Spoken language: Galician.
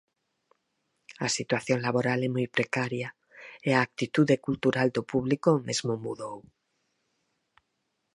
A situación laboral é moi precaria e a actitude cultural do público mesmo mudou.